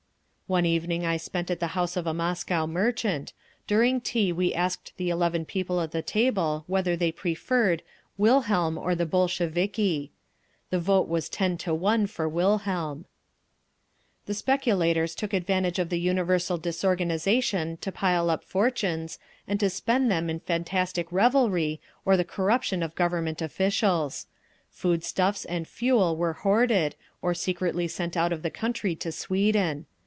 … One evening I spent at the house of a Moscow merchant; during tea we asked the eleven people at the table whether they preferred "Wilhelm or the Bolsheviki." The vote was ten to one for Wilhelm… The speculators took advantage of the universal disorganisation to pile up fortunes, and to spend them in fantastic revelry or the corruption of Government officials. Foodstuffs and fuel were hoarded, or secretly sent out of the country to Sweden.